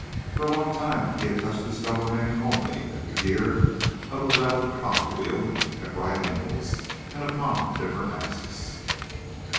For a long time he had touched his fellow man only at the gear of a levelled cog wheel—at right angles, and upon a different axis.